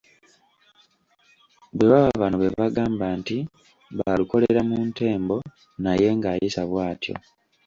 Bwe baba bano bebagamba nti ba "Lukololera mu ntembo" naye ng'ayisa bwatyo.